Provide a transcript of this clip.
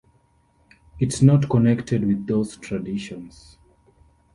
It's not connected with those traditions.